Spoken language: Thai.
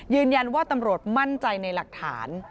ยืนยันว่าตำรวจมั่นใจในหลักฐาน